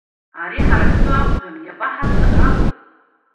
Ари ҳара ҳтәы акәӡам, иабаҳаднагалеи?